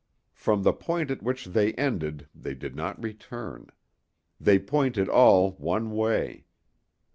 From the point at which they ended they did not return; they pointed all one way.